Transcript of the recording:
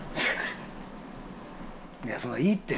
いやそんないいって。